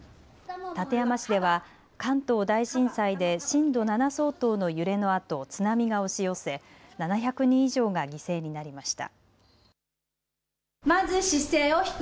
館山市では関東大震災で震度７相当の揺れのあと津波が押し寄せ７００人以上が犠牲になりました。